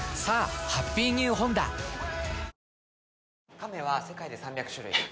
「亀は世界で３００種類」